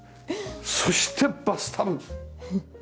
そしてバスタブ。